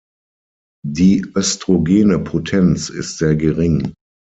Die östrogene Potenz ist sehr gering.